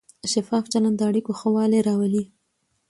شفاف چلند د اړیکو ښه والی راولي.